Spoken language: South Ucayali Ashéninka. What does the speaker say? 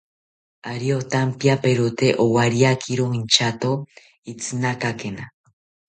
Ari otampiaperote owariakiro intyato itzinakakena